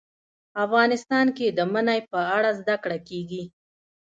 افغانستان کې د منی په اړه زده کړه کېږي.